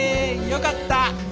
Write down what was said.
よかった！